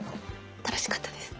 楽しかったです。